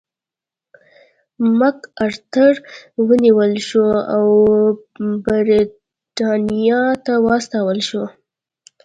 مک ارتر ونیول شو او برېټانیا ته واستول شو.